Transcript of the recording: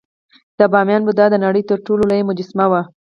د بامیان بودا د نړۍ تر ټولو لویه مجسمه وه